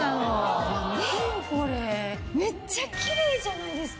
めっちゃキレイじゃないですか。